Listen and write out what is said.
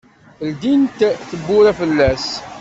Ldint-d tewwura fell-as.